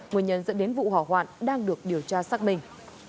nguyên nhân dẫn đến vụ hỏa hoạn đang được điều tra xác minh